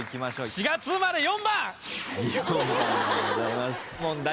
４月生まれ４番！問題